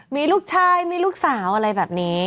มีลูกชายมีลูกสาวอะไรแบบนี้